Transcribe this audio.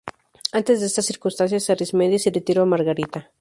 Ante estas circunstancias Arismendi se retiró a Margarita.